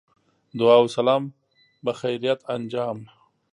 دعا و سلام بخیریت انجام.